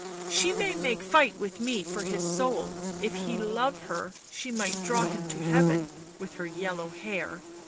" She may make fight with me for his soul — if he love her she might draw him to heaven — with her yellow hair